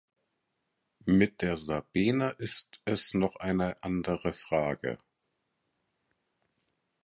Mit der Sabena ist es noch eine andere Frage.